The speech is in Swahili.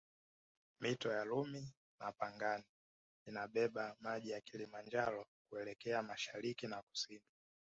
Mito ya Lumi na Pangani inabeba maji ya Kilimanjaro kuelekea mashariki na kusini